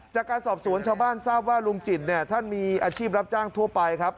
จากการสอบสวนชาวบ้านทราบว่าลุงจิตเนี่ยท่านมีอาชีพรับจ้างทั่วไปครับ